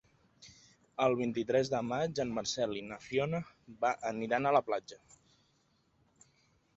El vint-i-tres de maig en Marcel i na Fiona aniran a la platja.